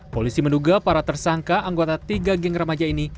polisi menduga para tersangka anggota tiga geng remaja ini